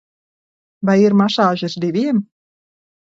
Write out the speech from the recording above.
Vai ir masāžas diviem?